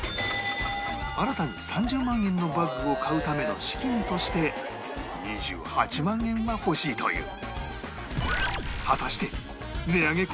新たに３０万円のバッグを買うための資金として２８万円が欲しいという